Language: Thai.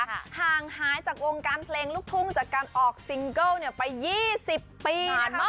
ห่างหายจากวงการเพลงลุกทุ่งจากการออกซิงเกิ้ลเนี่ยไปยี่สิบปีนะคะคุณ